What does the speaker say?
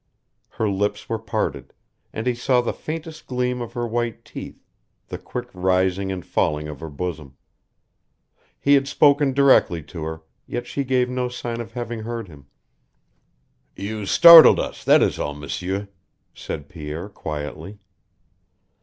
Her lips were parted, and he saw the faintest gleam of her white teeth, the quick rising and falling of her bosom. He had spoken directly to her, yet she gave no sign of having heard him. "You startled us, that is all, M'sieur," said Pierre, quietly.